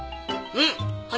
うん。